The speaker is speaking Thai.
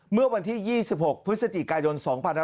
เมื่อวันที่๒๖พฤศจิกายน๒๕๖๒